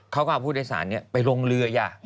เขาก็เอาผู้โดยสารไปลงเรือ